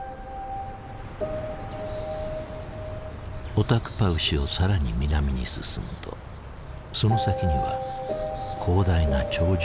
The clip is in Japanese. オタクパウシを更に南に進むとその先には広大な鳥獣保護区がある。